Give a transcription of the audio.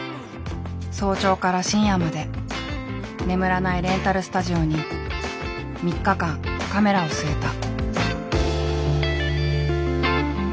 早朝から深夜まで眠らないレンタルスタジオに３日間カメラを据えた。